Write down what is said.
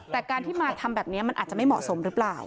แต่การที่มาทำแบบนี้มันอาจจะไม่เหมาะสมหรือเปล่า